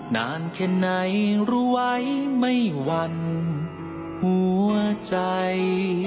นานแค่ไหนรู้ไว้ไม่วันหัวใจ